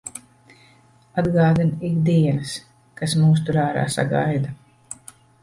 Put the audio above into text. Atgādina ik dienas, kas mūs tur ārā sagaida.